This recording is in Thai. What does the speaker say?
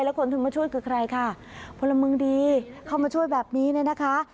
แล้วคนที่มาช่วยคือใครค่ะพลเมืองดีเข้ามาช่วยแบบนี้เนี่ยนะคะ